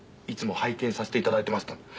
いつも拝見させていただいてます」と。